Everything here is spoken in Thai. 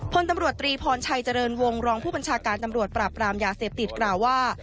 พลตำรวจตรีพรชัยเจริญวงรองผู้บัญชาการตำรวจปราบรามยาเสพติดกล่าวว่า